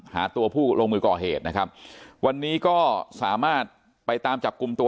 หาตัวผู้ลงมือก่อเหตุนะครับวันนี้ก็สามารถไปตามจับกลุ่มตัว